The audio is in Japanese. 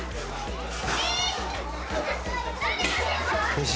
よし。